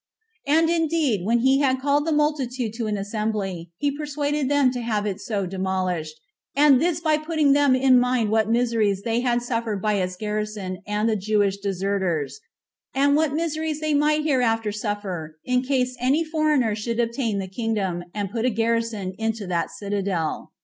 And indeed, when he had called the multitude to an assembly, he persuaded them to have it so demolished, and this by putting them in mind what miseries they had suffered by its garrison and the Jewish deserters, and what miseries they might hereafter suffer in case any foreigner should obtain the kingdom, and put a garrison into that citadel.